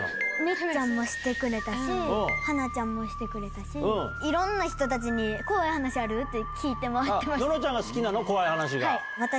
絢ちゃんもしてくれたし、花ちゃんもしてくれたし、いろんな人たちに、怖い話ある？って聞いてもらってました。